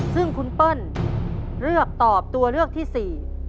ซึ่งคุณเปิ้ลเลือกตอบตัวเลือกที่สี่